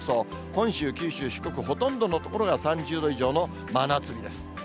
本州、九州、四国、ほとんどの所が３０度以上の真夏日です。